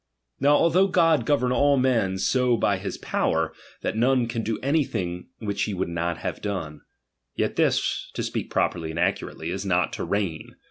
Now although God govern all men so by his pow'er, that none can do anything which he would not have done : yet this, to speak properly and accurately, is not to reign.